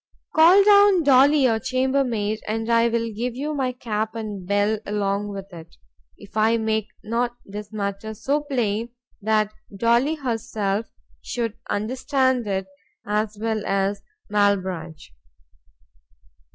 —Call down Dolly your chamber maid, and I will give you my cap and bell along with it, if I make not this matter so plain that Dolly herself should understand it as well as _Malbranch.